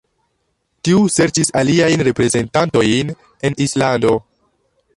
Tiu serĉis aliajn reprezentantojn en Islando.